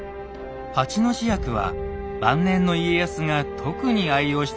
「八之字薬」は晩年の家康が特に愛用していた薬。